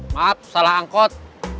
maaf salah angkot